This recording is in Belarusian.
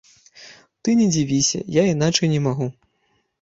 Ты не дзівіся, я іначай не магу.